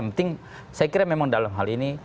yang penting saya kira memang dalam hal ini